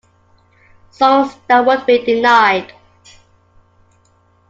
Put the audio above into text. Songs that won't be denied.